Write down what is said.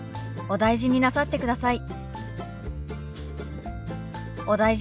「お大事になさってください」。